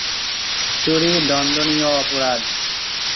চুরি দণ্ডণীয় অপরাধ।